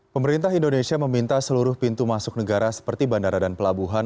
pemerintah indonesia meminta seluruh pintu masuk negara seperti bandara dan pelabuhan